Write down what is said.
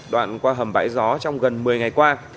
đoạn qua hầm bãi gió trong gần một mươi ngày qua